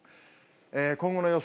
今後の予想